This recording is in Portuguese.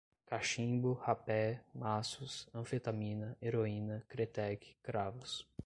cachimbo, rapé, maços, anfetamina, heroína, kretek, cravos